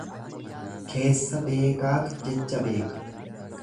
Keessa beekaatu jecha beeka.